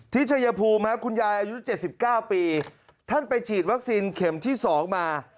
ชายภูมิคุณยายอายุ๗๙ปีท่านไปฉีดวัคซีนเข็มที่๒มา